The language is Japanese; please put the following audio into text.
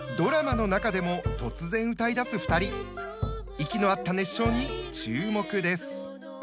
息の合った熱唱に注目です。